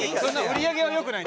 売り上げは良くない？